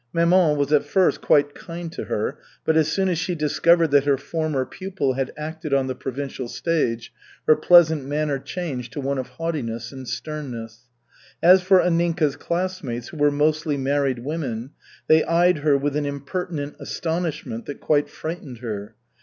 Maman was at first quite kind to her, but as soon as she discovered that her former pupil had acted on the provincial stage, her pleasant manner changed to one of haughtiness and sternness. As for Anninka's classmates, who were mostly married women, they eyed her with an impertinent astonishment that quite frightened her.